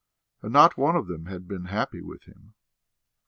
And not one of them had been happy with him.